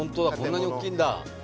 こんなに大きいんだ。